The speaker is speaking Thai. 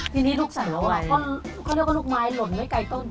ทีนี้ลูกสาวเขาเรียกว่าลูกไม้หล่นไม่ไกลต้น